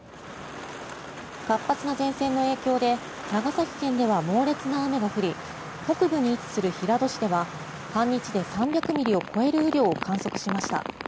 活発な前線の影響で長崎県では猛烈な雨が降り北部に位置する平戸市では半日で３００ミリを超える雨量を観測しました。